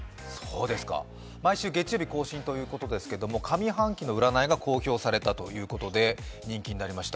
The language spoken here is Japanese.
毎月月曜日更新ということですけれども上半期の占いが公表されたということで人気になりました。